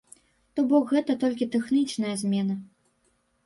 То бок гэта толькі тэхнічная змена.